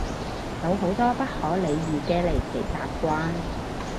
有好多不可理喻嘅離奇習慣